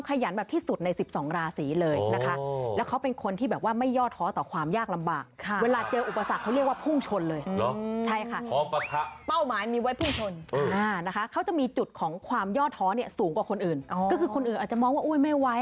อ๋อเคลียดนะครับเพราะว่าชาวราศรีมังกอดนี่